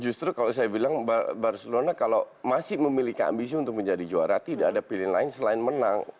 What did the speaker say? justru kalau saya bilang barcelona kalau masih memiliki ambisi untuk menjadi juara tidak ada pilihan lain selain menang